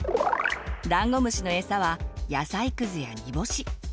ダンゴムシのエサは野菜くずや煮干し。